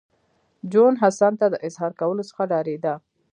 جون حسن ته د اظهار کولو څخه ډارېده